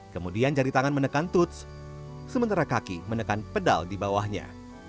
kemudian jari tangan menekan toots sementara kaki menekan pedal di bawahnya